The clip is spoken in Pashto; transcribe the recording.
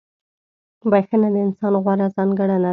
• بخښنه د انسان غوره ځانګړنه ده.